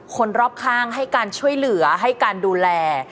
คนรอบข้างให้การช่วยเหลือให้การดูแล